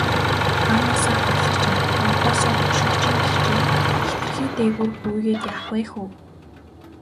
Хаанаасаа хаалгач нь, богдоосоо бошгоч нь гэгчээр хэтэрхий дээгүүр гүйгээд яах вэ хөө.